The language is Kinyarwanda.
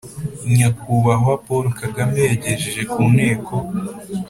Nyakubahwa paul kagame yagejeje ku nteko